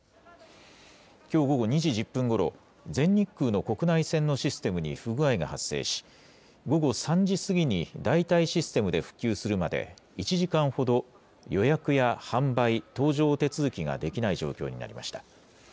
きょう午後２時１０分ごろ、全日空の国内線のシステムに不具合が発生し、午後３時過ぎに代替システムで復旧するまで、１時間ほど予約や販売、搭乗手続きができない状況になりました。